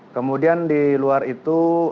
kemudian di luar itu